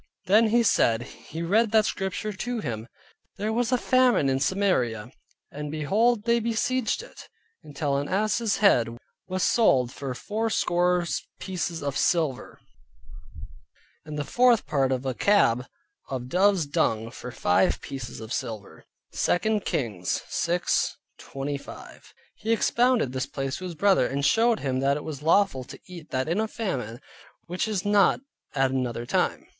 Then he said, he read that Scripture to him, "There was a famine in Samaria, and behold they besieged it, until an ass's head was sold for four score pieces of silver, and the fourth part of a cab of dove's dung for five pieces of silver" (2 Kings 6.25). He expounded this place to his brother, and showed him that it was lawful to eat that in a famine which is not at another time.